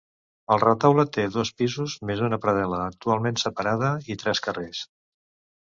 El retaule té dos pisos més una predel·la, actualment separada, i tres carrers.